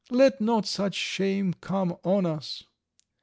Let not such shame come on us!"